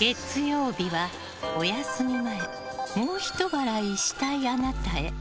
月曜日は、お休み前もうひと笑いしたいあなたへ。